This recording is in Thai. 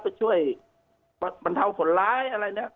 ไปช่วยบรรเทาผลร้ายอะไรเนี่ย